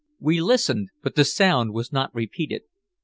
We listened, but the sound was not repeated.